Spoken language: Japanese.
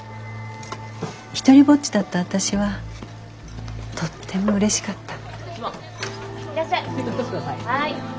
独りぼっちだった私はとってもうれしかった。